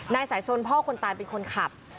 นายสายชนพ่อคนตายเป็นคนขับ